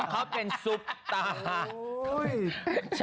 เขาเป็นซุปตา